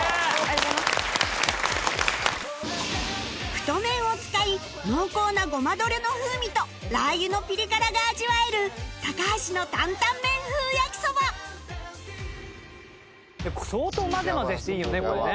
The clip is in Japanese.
太麺を使い濃厚なごまドレの風味とラー油のピリ辛が味わえる高橋の担々麺風焼きそば相当混ぜ混ぜしていいよねこれね。